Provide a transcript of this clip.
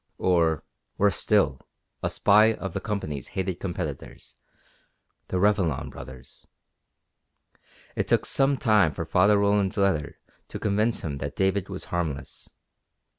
Or, worse still, a spy of the Company's hated competitors, the Revilon Brothers. It took some time for Father Roland's letter to convince him that David was harmless.